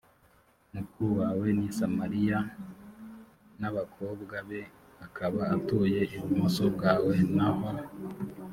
mukuru wawe ni samariya k n abakobwa be akaba atuye ibumoso bwawe naho